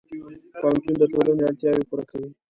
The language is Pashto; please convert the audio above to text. پوهنتون د ټولنې اړتیاوې پوره کوي.